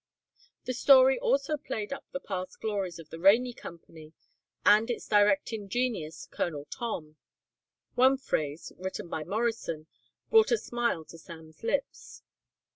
The story also played up the past glories of the Rainey Company and its directing genius, Colonel Tom. One phrase, written by Morrison, brought a smile to Sam's lips.